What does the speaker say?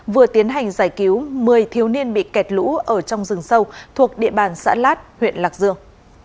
vừa tiến hành giải cứu một mươi thiếu niên bị kẹt lũ ở trong rừng sâu thuộc địa bàn xã lát huyện lạc dương